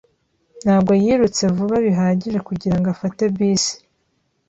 Ntabwo yirutse vuba bihagije kugirango afate bisi.